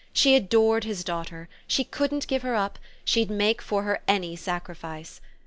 She adored his daughter; she couldn't give her up; she'd make for her any sacrifice.